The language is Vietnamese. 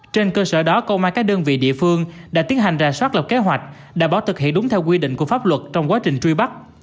trên cơ sở đó công an các đơn vị địa phương đã tiến hành rà soát lập kế hoạch đảm bảo thực hiện đúng theo quy định của pháp luật trong quá trình truy bắt